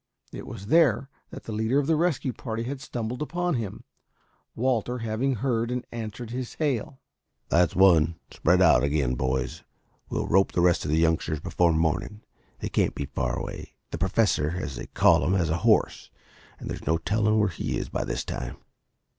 It was there that the leader of the rescue party had stumbled upon him, Walter having heard and answered his hail. "That's one. Spread out again, boys. We'll rope the rest of the youngsters before morning. They can't be far away. The Professor, as they call him, has a horse, and there's no telling where he is by this time."